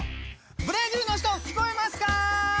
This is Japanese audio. ブラジルの人聞こえますか？